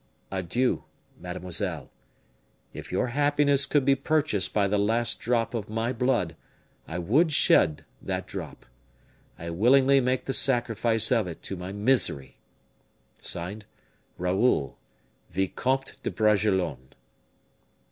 Adieu, mademoiselle. If your happiness could be purchased by the last drop of my blood, I would shed that drop. I willingly make the sacrifice of it to my misery! "RAOUL, VICOTME DE BRAGELONNE."